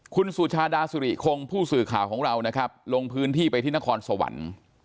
คุณสุชาดาสุริคงผู้สื่อข่าวของเรานะครับลงพื้นที่ไปที่นครสวรรค์